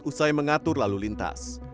usai mengatur lalu lintas